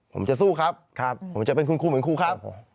ผมจะสู้ครับผมจะเป็นคุณครูเหมือนครูครับ